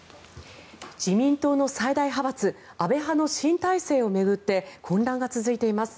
自民党の最大派閥安倍派の新体制を巡って混乱が続いています。